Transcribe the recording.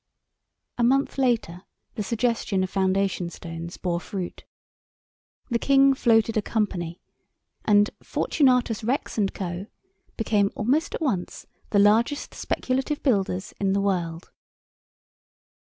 A month later the suggestion of foundation stones bore fruit. The King floated a company, and Fortunatus Rex & Co. became almost at once the largest speculative builders in the world.